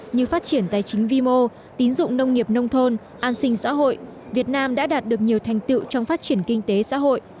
như phát triển tài chính vi mô tín dụng nông nghiệp nông thôn an sinh xã hội việt nam đã đạt được nhiều thành tựu trong phát triển kinh tế xã hội